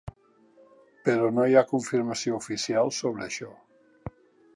Però no hi ha confirmació oficial sobre això.